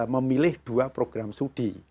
memilih dua program sudi nah khusus yang